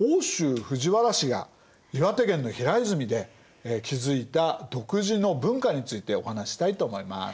奥州藤原氏が岩手県の平泉で築いた独自の文化についてお話ししたいと思います。